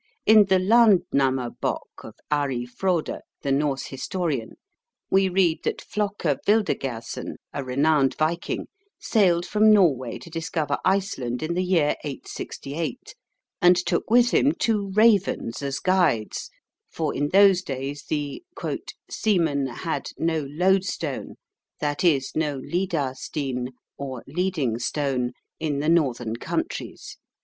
In the Landnammabok of Ari Frode, the Norse historian, we read that Flocke Vildergersen, a renowned viking, sailed from Norway to discover Iceland in the year 868, and took with him two ravens as guides, for in those days the "seamen had no lodestone (that is, no lidar stein, or leading stone) in the northern countries."